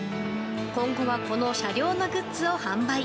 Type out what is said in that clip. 今後はこの車両のグッズを販売。